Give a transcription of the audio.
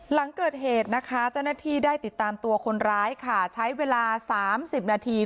หลังเกิดเหตุนะคะเจ้าหน้าที่ได้ติดตามตัวคนร้ายค่ะใช้เวลา๓๐นาที